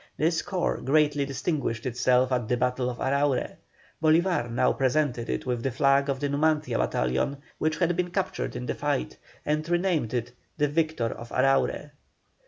This corps greatly distinguished itself at the battle of Araure. Bolívar now presented it with the flag of the Numancia battalion, which had been captured in the fight, and renamed it "The Victor of Araure."